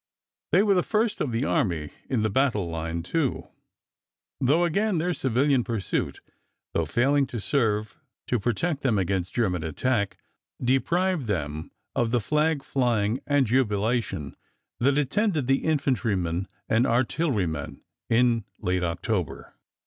They were the first of the army in the battle line, too, though again their civilian pursuit, though failing to serve to protect them against German attack, deprived them of the flag flying and jubilation that attended the infantrymen and artillerymen in late October.